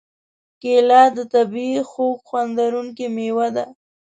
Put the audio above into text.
کېله د طبعیي خوږ خوند لرونکې مېوه ده.